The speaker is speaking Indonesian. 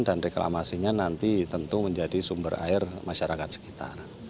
dan reklamasinya nanti tentu menjadi sumber air masyarakat sekitar